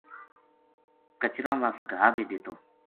کچراں وس گھا بے دِتو